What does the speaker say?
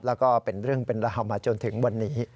แล้วก็เป็นเรื่องเป็นราวมาจนถึงวันนี้